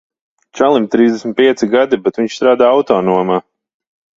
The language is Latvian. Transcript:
Čalim trīsdesmit pieci gadi, bet viņš strādā autonomā.